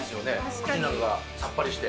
口の中がさっぱりして。